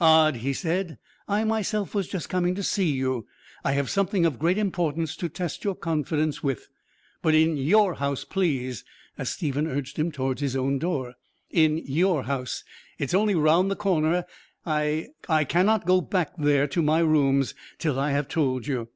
"Odd," he said, "I myself was just coming to see you. I have something of great importance to test your confidence with. But in your house, please," as Stephen urged him towards his own door "in your house. It's only round the corner, and I I cannot go back there to my rooms till I have told you.